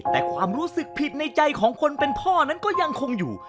แต่ความรู้สึกผิดในใจของคนเป็นพ่อนั้นก็ยังคงอยู่